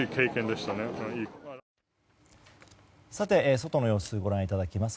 外の様子をご覧いただきます。